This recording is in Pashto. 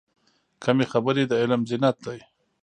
کمې خبرې، د علم زینت دی.